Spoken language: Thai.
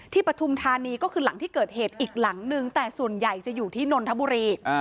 ปฐุมธานีก็คือหลังที่เกิดเหตุอีกหลังนึงแต่ส่วนใหญ่จะอยู่ที่นนทบุรี